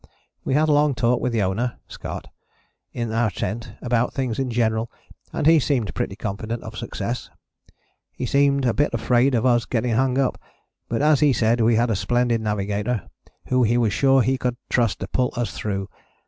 We had a long talk with the owner [Scott] in our tent about things in general and he seemed pretty confident of success. He seemed a bit afraid of us getting hung up, but as he said we had a splendid navigator, who he was sure he could trust to pull us through.